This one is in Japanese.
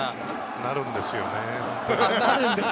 なるんですよね。